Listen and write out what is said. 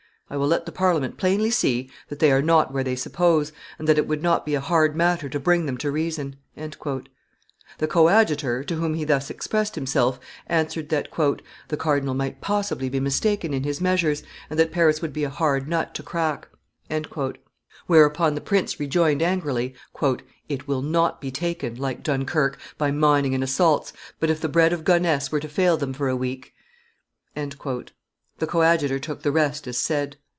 I will let the Parliament plainly see that they are not where they suppose, and that it would not be a hard matter to bring them to reason." The coadjutor, to whom he thus expressed himself, answered that "the cardinal might possibly be mistaken in his measures, and that Paris would be a hard nut to crack." Whereupon the prince rejoined, angrily, "It will not be taken, like Dunkerque, by mining and assaults, but if the bread of Gonesse were to fail them for a week ..." The coadjutor took the rest as said.